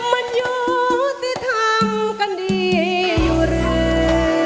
มันอยู่ที่ทำกันดีอยู่แล้ว